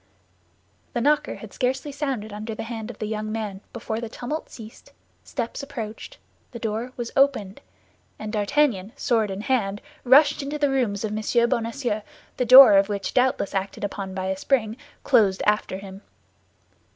The knocker had scarcely sounded under the hand of the young man before the tumult ceased, steps approached, the door was opened, and D'Artagnan, sword in hand, rushed into the rooms of M. Bonacieux, the door of which, doubtless acted upon by a spring, closed after him.